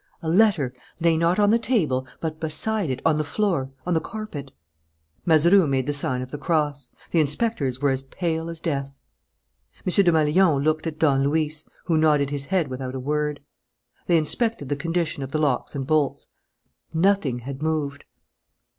A letter lay not on the table, but beside it, on the floor, on the carpet. Mazeroux made the sign of the cross. The inspectors were as pale as death. M. Desmalions looked at Don Luis, who nodded his head without a word. They inspected the condition of the locks and bolts. Nothing had moved.